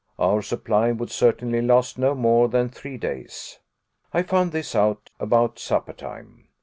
Our supply would certainly last not more than three days. I found this out about supper time.